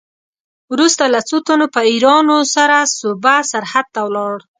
وروسته له څو تنو پیروانو سره صوبه سرحد ته ولاړ.